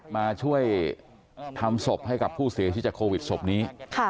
มาช่วยทำศพให้กับผู้เสียชีวิตจากโควิดศพนี้